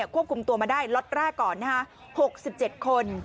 ควบคุมตัวมาได้ล็อตแรกก่อน๖๗คน